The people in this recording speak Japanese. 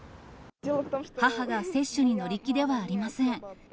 母が接種に乗り気ではありません。